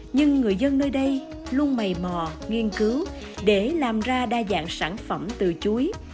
nhưng người dân nơi đây luôn mầy mò nghiên cứu để làm ra đa dạng sản phẩm từ chuối